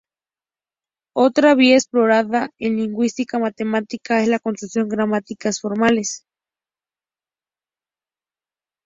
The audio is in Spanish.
Otra vía explorada en lingüística matemática es la construcción de gramáticas formales.